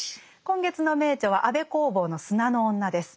今月の名著は安部公房の「砂の女」です。